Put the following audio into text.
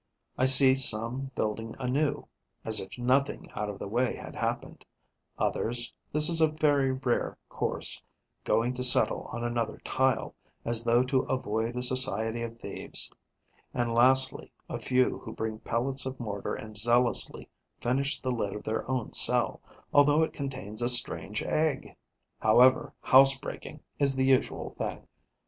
I see some building anew, as if nothing out of the way had happened; others this is a very rare course going to settle on another tile, as though to avoid a society of thieves; and lastly a few who bring pellets of mortar and zealously finish the lid of their own cell, although it contains a strange egg. However, housebreaking is the usual thing.